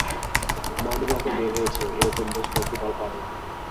মর্নিংওয়াকে বের হয়েছে, এ রকম বেশ কয়েকটি দল পাওয়া গেল।